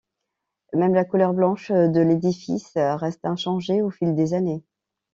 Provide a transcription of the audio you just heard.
Même la couleur blanche de l'édifice reste inchangée au fil des années.